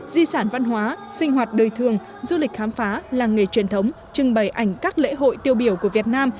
di sản văn hóa sinh hoạt đời thường du lịch khám phá làng nghề truyền thống trưng bày ảnh các lễ hội tiêu biểu của việt nam